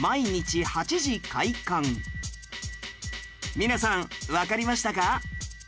皆さんわかりましたか？